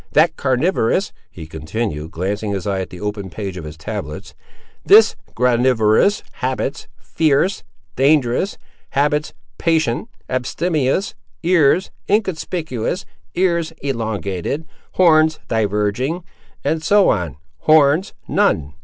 That, carnivorous," he continued, glancing his eye at the open page of his tablets; "this, granivorous; habits, fierce, dangerous; habits, patient, abstemious; ears, inconspicuous; ears, elongated; horns, diverging, &c., horns, none!"